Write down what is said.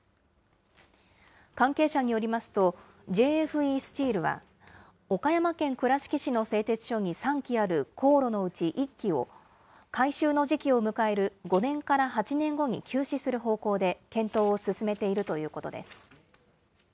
関係者によりますと、ＪＦＥスチールは、岡山県倉敷市の製鉄所に３基ある高炉のうち、１基を改修の時期を迎える５年から８年後に休止する方向で検討を進めているということです。